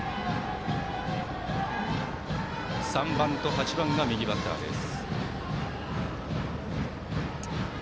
３番と８番が右バッターです。